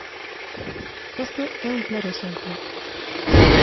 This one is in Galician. Este é un claro exemplo.